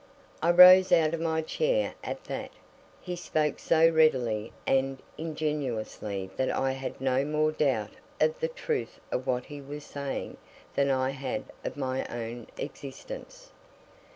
I rose out of my chair at that. He spoke so readily and ingenuously that I had no more doubt of the truth of what he was saying than I had of my own existence.